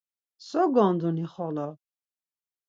So gonduni xolo!